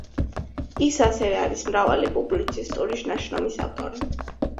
ის ასევე არის მრავალი პუბლიცისტური ნაშრომის ავტორი.